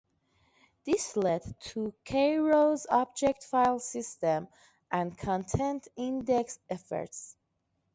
This led to Cairo's Object File System and content index efforts.